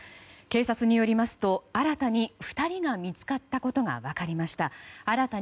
警察によりますと新たに２人が見つかったことが分かりました。